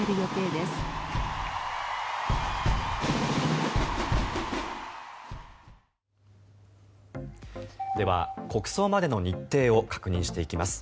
では、国葬までの日程を確認していきます。